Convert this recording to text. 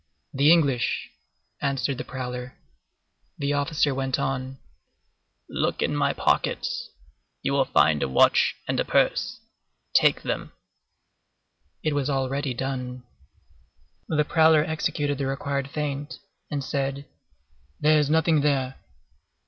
"The English," answered the prowler. The officer went on:— "Look in my pockets; you will find a watch and a purse. Take them." It was already done. The prowler executed the required feint, and said:— "There is nothing there."